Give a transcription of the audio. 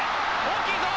大きいぞ！